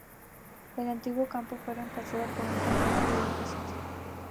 El antiguo campo fue reemplazado por un complejo de edificios.